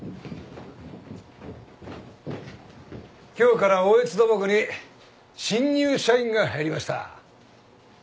今日から大悦土木に新入社員が入りました。